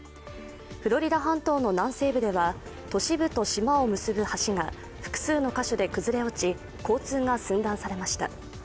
フロリダ半島の南西部では都市部と島を結ぶ橋が複数の箇所で崩れ落ち交通が寸断されました。